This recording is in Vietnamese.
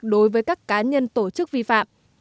đối với các cá nhân tổ chức vi phạm